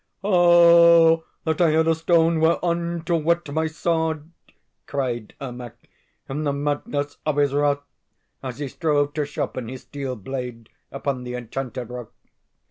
"'Oh that I had a stone whereon to whet my sword!' cried Ermak in the madness of his wrath as he strove to sharpen his steel blade upon the enchanted rock.